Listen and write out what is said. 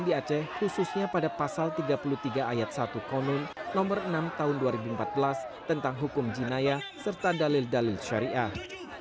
di aceh khususnya pada pasal tiga puluh tiga ayat satu konun nomor enam tahun dua ribu empat belas tentang hukum jinaya serta dalil dalil syariah